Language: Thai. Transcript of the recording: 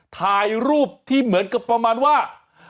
ถ่ายรูปที่เหมือนกับประมาณว่า